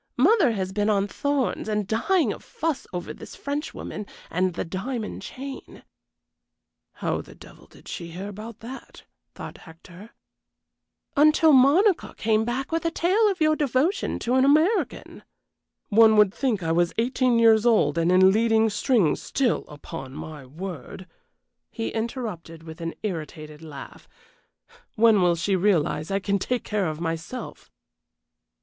Mother has been on thorns and dying of fuss over this Frenchwoman and the diamond chain ("How the devil did she hear about that?" thought Hector) until Monica came back with a tale of your devotion to an American." "One would think I was eighteen years old and in leading strings still, upon my word," he interrupted, with an irritated laugh. "When will she realize I can take care of myself?"